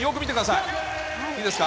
いいですか？